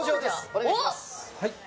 お願いします